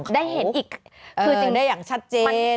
ได้เห็นอีกได้อย่างชัดเจน